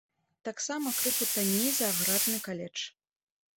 Таксама крыху танней за аграрны каледж.